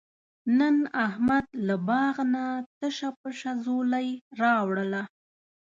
نن احمد له باغ نه تشه پشه ځولۍ راوړله.